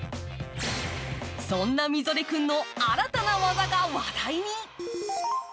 そんなミゾレ君の新たな技が話題に。